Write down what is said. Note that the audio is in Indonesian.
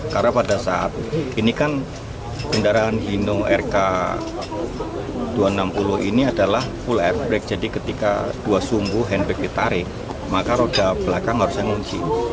karena pada saat ini kan kendaraan hino rk dua ratus enam puluh ini adalah full air brake jadi ketika dua sumbu handbrake ditarik maka roda belakang harusnya ngunci